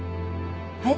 はい？